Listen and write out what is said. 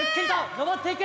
登っていく！